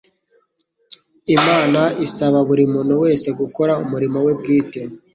Imana isaba buri muntu wese gukora umurimo we bwite.